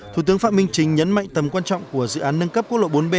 thủ tướng phạm minh chính nhấn mạnh tầm quan trọng của dự án nâng cấp quốc lộ bốn b